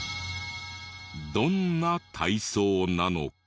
どんな体操なのか。